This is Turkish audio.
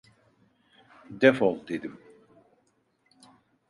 Defol dedim!